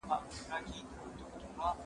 زه به سبا سړو ته خواړه ورکوم،